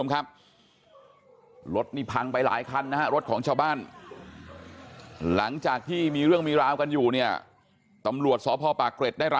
มีคนนั่งอยู่ท้ายกระบะด้วยนะ